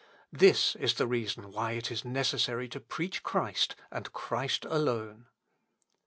This is the reason why it is necessary to preach Christ, and Christ alone.